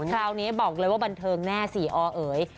คราวนี้บอกเลยว่าบันธกำแหน้ครับสี่อะเอ๋ย